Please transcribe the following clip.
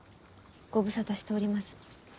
ご無沙汰しております。